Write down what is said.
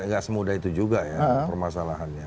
gak semudah itu juga ya permasalahannya